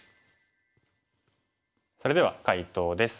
それでは解答です。